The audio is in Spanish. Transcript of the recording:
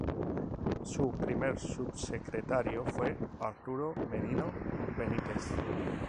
Su primer subsecretario fue Arturo Merino Benítez.